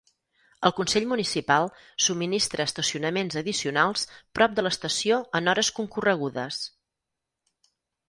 El Consell Municipal subministra estacionaments addicionals prop de l'estació en hores concorregudes.